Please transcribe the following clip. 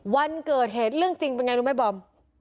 วันเกิดเหตุเรื่องจริงเป็นยังไงลุงให้บอม